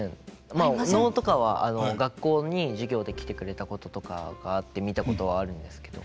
まあ能とかは学校に授業で来てくれたこととかがあって見たことはあるんですけど。